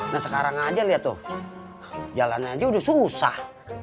nah sekarang aja liat tuh jalan aja udah susah